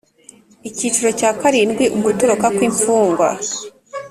Icyiciro cya karindwi Ugutoroka kw imfungwa